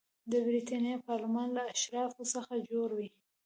د برېټانیا پارلمان له اشرافو څخه جوړ و.